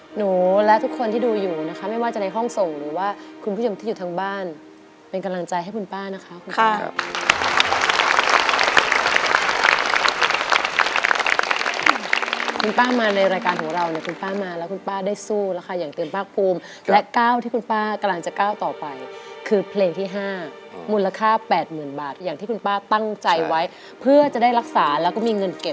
หนูและทุกคนที่ดูอยู่นะคะไม่ว่าจะในห้องส่งหรือว่าคุณผู้ชมที่อยู่ทั้งบ้านเป็นกำลังใจให้คุณป้านะคะคุณป้ามาในรายการของเราเนี่ยคุณป้ามาแล้วคุณป้าได้สู้นะคะอย่างเตือนป้ากภูมิและก้าวที่คุณป้ากำลังจะก้าวต่อไปคือเพลงที่๕มูลค่า๘๐๐๐๐บาทอย่างที่คุณป้าตั้งใจไว้เพื่อจะได้รักษาแล้วก็มีเงินเก็